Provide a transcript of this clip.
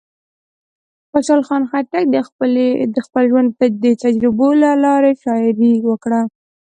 خوشحال خان خټک د خپل ژوند د تجربو له لارې شاعري وکړه.